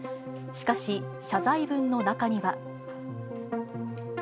しかし、謝罪文の中には。